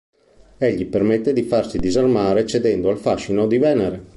Egli permette di farsi disarmare, cedendo al fascino di Venere.